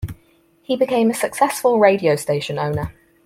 He became a successful radio station owner.